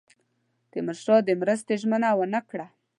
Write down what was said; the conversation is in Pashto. تیمورشاه د مرستې ژمنه ونه کړه.